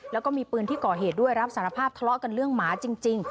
แล้วก็มีปืนที่ก่อเหตุด้วยรับสารภาพทะเลาะกันเรื่องหมาจริง